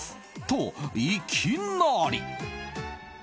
と、いきなり。